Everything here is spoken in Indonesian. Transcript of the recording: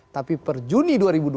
tapi per juni dua ribu dua puluh